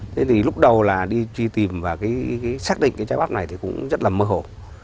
thế thì lúc đầu là đi truy tìm và xác định cái trái bắt này thì cũng rất là mơ hồ